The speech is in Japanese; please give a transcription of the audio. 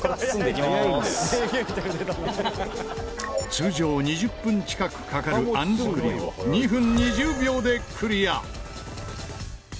通常２０分近くかかる餡作りを２分２０秒でクリア。